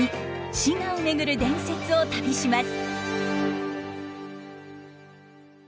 滋賀を巡る伝説を旅します。